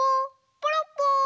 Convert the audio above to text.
ポロッポー。